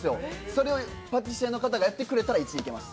それをパティシエの方がやってくれたら１位いけます。